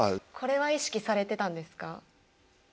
これは意識されてたんですか？